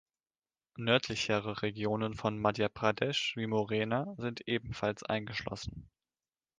Nördlichere Regionen von Madhya Pradesh wie Morena sind ebenfalls eingeschlossen.